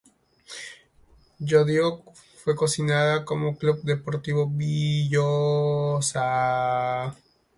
Llodio fue conocida como Club Deportivo Villosa.